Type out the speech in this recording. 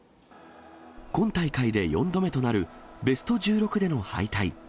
今大会で４度目となるベスト１６での敗退。